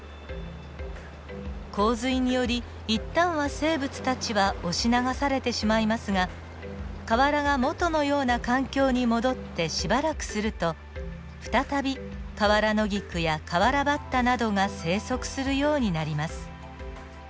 洪水により一旦は生物たちは押し流されてしまいますが河原が元のような環境に戻ってしばらくすると再びカワラノギクやカワラバッタなどが生息するようになります。